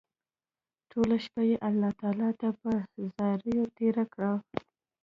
ټوله شپه يې الله تعالی ته په زاريو تېره کړه